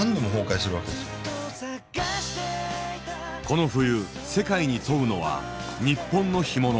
この冬世界に問うのは日本の干物。